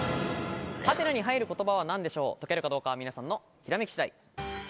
解けるかどうかは皆さんのひらめき次第。